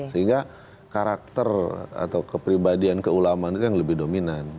sehingga karakter atau kepribadian keulamaan itu yang lebih dominan